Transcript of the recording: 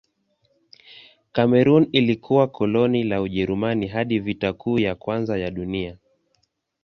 Kamerun ilikuwa koloni la Ujerumani hadi Vita Kuu ya Kwanza ya Dunia.